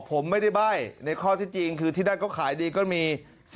ผมไม่ได้ใบ้ในข้อที่จริงคือที่นั่นก็ขายดีก็มี